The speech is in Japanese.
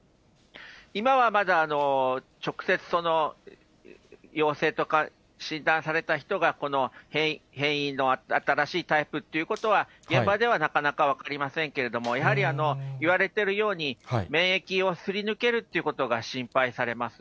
今はまだ直接その陽性とか診断された人が、この変異の新しいタイプということは現場ではなかなか分かりませんけれども、やはり言われてるように、免疫をすり抜けるということが心配されます。